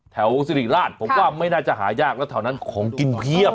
สิริราชผมว่าไม่น่าจะหายากแล้วแถวนั้นของกินเพียบ